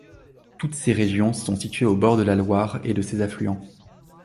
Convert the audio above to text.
Toutes ces régions sont situées au bord de la Loire et de ses affluents.